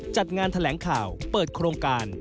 จัดงานแถลงข่าวเปิดโครงการ